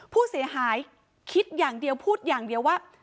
ผู้เสียหายคิดอย่างเดียวพูดอย่างเดียวว่า